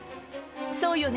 そうよね？